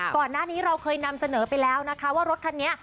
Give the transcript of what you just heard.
ก่อนหน้านี้เราเคยนำเสนอไปแล้วนะคะว่ารถคันนี้